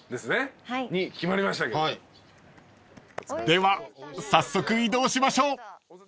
［では早速移動しましょう］